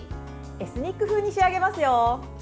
エスニック風に仕上げますよ。